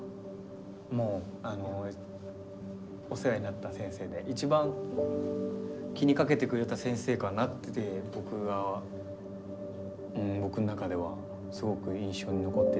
もうお世話になった先生で一番気にかけてくれた先生かなって僕はうん僕の中ではすごく印象に残ってる先生で。